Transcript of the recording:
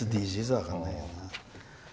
ＳＤＧｓは分かんないよ。